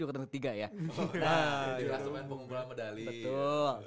jelas pemain pengumpulan medali betul